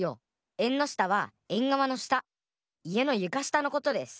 えんのしたはえんがわのしたいえのゆかしたのことです！